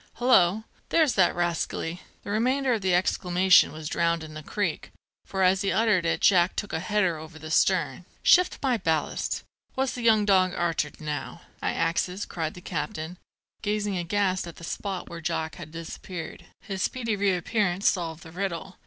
Hullo, there's that rascally " The remainder of the exclamation was drowned in the creek, for as he uttered it Jack took a header over the stern. "Shift my ballast, what's the young dog arter now? I axes," cried the captain, gazing aghast at the spot where Jack had disappeared. His speedy reappearance solved the riddle.